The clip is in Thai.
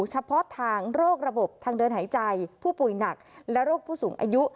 เฉพาะทางโรคระบบทางเดินหายใจผู้ป่วยหนักและโรคผู้สูงอายุ